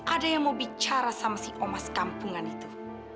ada yang mau bicara sama si omas kampungan itu